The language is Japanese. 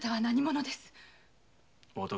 何者です？